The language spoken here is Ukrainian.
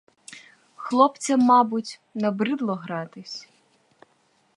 Хлопцям, мабуть, набридло гратись.